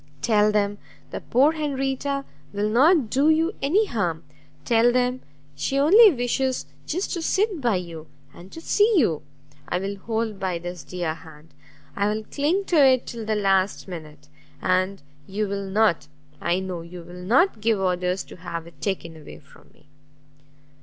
tell them the poor Henrietta will not do you any harm; tell them she only wishes just to sit by you, and to see you! I will hold by this dear hand, I will cling to it till the last minute; and you will not, I know you will not, give orders to have it taken away from me!"